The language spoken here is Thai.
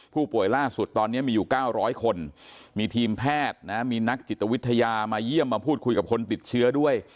ผู้ป่วยล่าสุดตอนนี้มีอยู่๙๐๐คนมีทีมแพทย์มีนักจิตวิทยามาเยี่ยมมาพูดคุยกับคนติดเชื้อด้วย